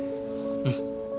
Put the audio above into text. うん。